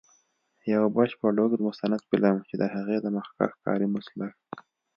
یو بشپړ اوږد مستند فلم، چې د هغې د مخکښ کاري مسلک.